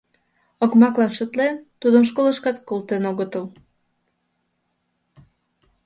Окмаклан шотлен, тудым школышкат колтен огытыл.